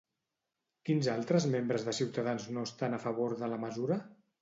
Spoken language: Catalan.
Quins altres membres de Ciutadans no estan a favor de la mesura?